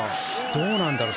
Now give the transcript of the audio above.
どうなんだろう。